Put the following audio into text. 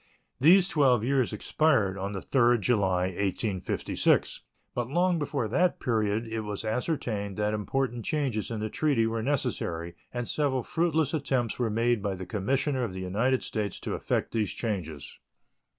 These twelve years expired on the 3d July, 1856, but long before that period it was ascertained that important changes in the treaty were necessary, and several fruitless attempts were made by the commissioner of the United States to effect these changes.